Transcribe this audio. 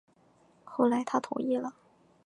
后来他也同意了